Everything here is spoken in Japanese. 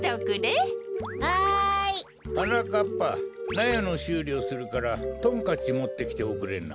なやのしゅうりをするからトンカチもってきておくれな。